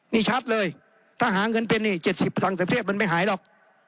นี่ชัดเลยถ้าหาเงินเป็นนี่๗๐ต่างประเทศมันไม่หายหรอก